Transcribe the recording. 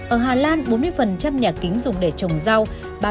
ở hà lan bốn mươi nhà kính dùng để trồng rau